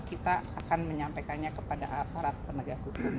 kita akan menyampaikannya kepada aparat penegak hukum